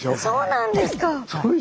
そうなんですか！